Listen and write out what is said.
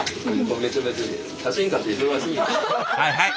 はいはい。